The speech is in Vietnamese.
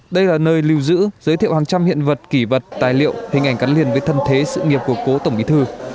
đây là nơi lưu giữ giới thiệu hàng trăm hiện vật kỷ vật tài liệu hình ảnh cắn liền với thân thế sự nghiệp của cố tổng bí thư